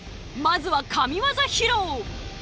まずは神業披露！